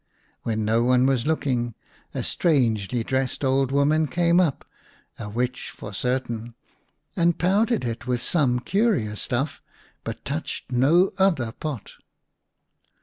When no one was looking, a strangely dressed old woman came up, a witch for certain, and powdered it with some curious stuff, but touched no other pot.